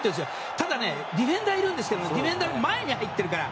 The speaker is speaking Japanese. ただディフェンダーいるんですけどディフェンダーの前に入ってるから。